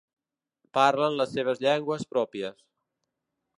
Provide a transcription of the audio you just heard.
Parlen les seves llengües pròpies.